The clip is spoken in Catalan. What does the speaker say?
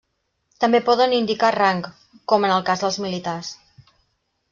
També poden indicar rang, com en el cas dels militars.